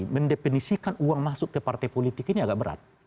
mendefinisikan uang masuk ke partai politik ini agak berat